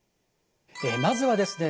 まずはですね